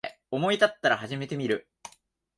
思いたったら始めてみる